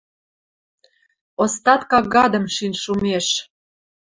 Остатка гадым шин шумеш.